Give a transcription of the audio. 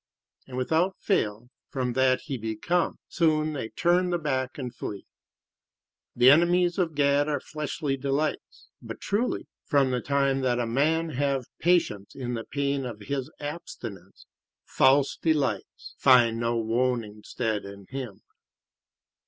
And without fail, from that he be come, soon they turn the back, and flee. The enemies of Gad are fleshly delights; but truly, from the time that a man have patience in the pain of his abstinence, false delights find no woning stead in him.